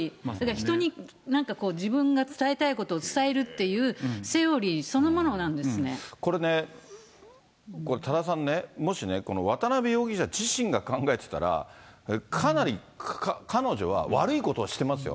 人に、なんか自分が伝えたいことを伝えるっていう、セオリーそのものなこれね、多田さんね、もしね、渡辺容疑者自身が考えてたら、かなり彼女は悪いことをしてますよ。